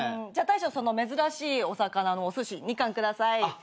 じゃ大将その珍しいお魚のおすし２貫下さい。